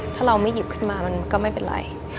ถ้าเราไม่หยิบขึ้นมามันก็ไม่เป็นไร